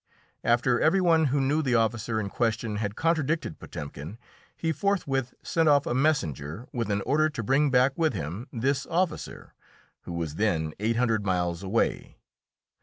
After every one who knew the officer in question had contradicted Potemkin, he forthwith sent off a messenger with an order to bring back with him this officer, who was then eight hundred miles away.